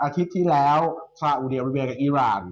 อาทิตย์ที่แล้วสาหุ่นเรียนบริเวณกับอีราน